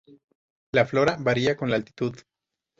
La flora varía con la altitud.